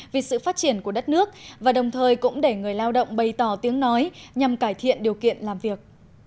vì sự phát triển của đất nước và đồng thời cũng để người lao động bày tỏ tiếng nói nhằm cải thiện điều kiện làm việc